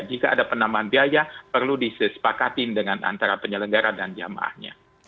jika ada penambahan biaya perlu disepakatin dengan antara penyelenggara dan jamaahnya